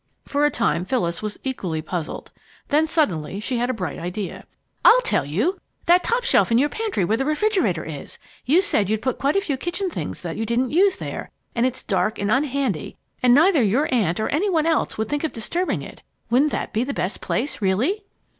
For a time, Phyllis was equally puzzled. Then suddenly she had a bright idea. "I'll tell you! That top shelf in your pantry where the refrigerator is! You said you'd put quite a few kitchen things that you didn't use there, and it's dark and unhandy and neither your aunt nor any one else would think of disturbing it. Wouldn't that be the best place, really?"